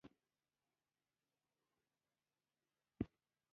• ته لکه د شپو خوبونه نازک یې.